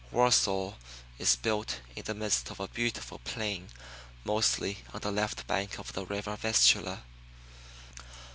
Warsaw is built in the midst of a beautiful plain mostly on the left bank of the river Vistula.